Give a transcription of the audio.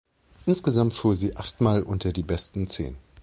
Insgesamt fuhr sie achtmal unter die besten zehn.